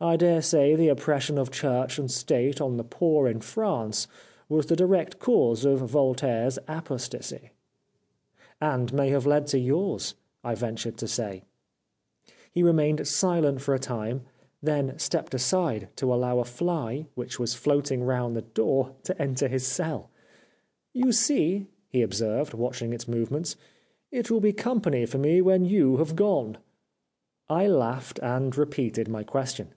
I daresay the oppression of Church and State on the poor in France was the direct cause of Voltaire's apostasy.' "' And may have led to yours/ I ventured to say. " He remained silent for some time, then stepped aside to allow a fly, which was floating round the door, to enter his cell. ' You see,' he observed, watching its movements, ' it will be company for me when you have gone.' I laughed, and repeated my question.